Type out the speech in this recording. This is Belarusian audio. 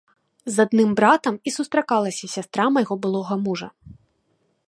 З адным братам і сустракалася сястра майго былога мужа.